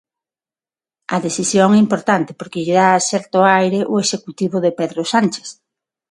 A decisión é importante, porque lle dá certo aire ao executivo de Pedro Sánchez.